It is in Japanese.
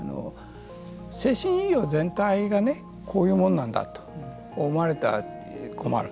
精神医療全体がこういうものなんだと思われたら困る。